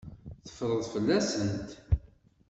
Teffreḍ fell-asent.